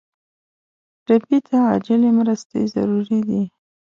ټپي ته عاجل مرستې ضروري دي.